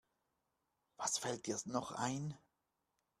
Was fällt dir noch ein?